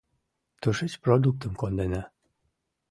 Тушеч продуктым кондена.